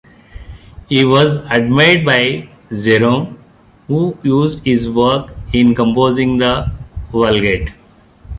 He was admired by Jerome, who used his work in composing the "Vulgate".